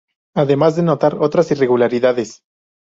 Además de notar otras irregularidades.